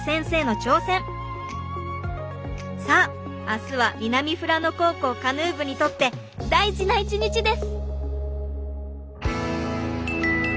さあ明日は南富良野高校カヌー部にとって大事な一日です。